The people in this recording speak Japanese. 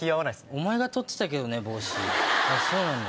お前が取ってたけどね帽子そうなんだ。